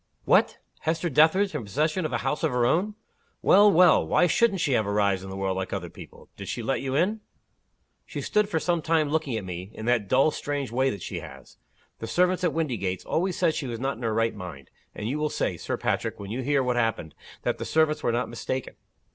"What! Hester Dethridge in possession of a house of her own? Well! well! why shouldn't she have a rise in the world like other people? Did she let you in?" "She stood for some time looking at me, in that dull strange way that she has. The servants at Windygates always said she was not in her right mind and you will say, Sir Patrick, when you hear what happened, that the servants were not mistaken.